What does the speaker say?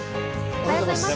おはようございます。